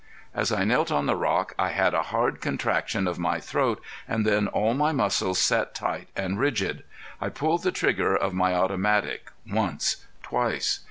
As I knelt on the rock I had a hard contraction of my throat, and then all my muscles set tight and rigid. I pulled the trigger of my automatic once, twice.